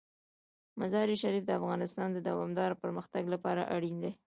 مزارشریف د افغانستان د دوامداره پرمختګ لپاره اړین دي.